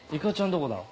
どこだろ？